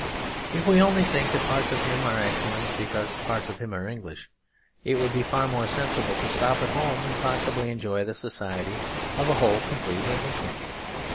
If we only think that parts of him are excellent because parts of him are English, it would be far more sensible to stop at home and possibly enjoy the society of a whole complete Englishman.